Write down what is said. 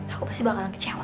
aku pasti bakalan kecewa